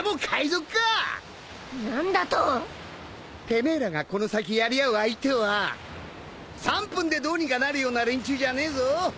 てめえらがこの先やり合う相手は３分でどうにかなるような連中じゃねえぞ